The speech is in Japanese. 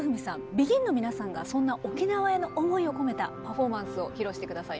ＢＥＧＩＮの皆さんがそんな沖縄への思いを込めたパフォーマンスを披露して下さいました。